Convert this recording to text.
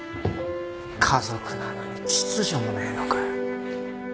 家族なのに秩序もねえのかよ。